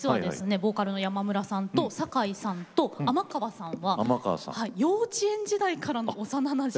ボーカルの山村さんと阪井さんと尼川さんは幼稚園時代からの幼なじみ。